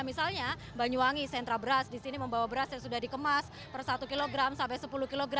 misalnya banyuwangi sentra beras di sini membawa beras yang sudah dikemas per satu kg sampai sepuluh kg